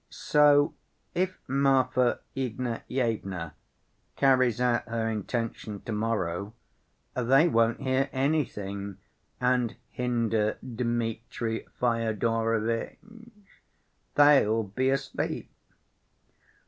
So, if Marfa Ignatyevna carries out her intention to‐ morrow, they won't hear anything and hinder Dmitri Fyodorovitch. They'll be asleep."